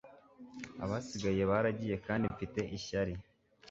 abasigaye baragiye kandi mfite ishyari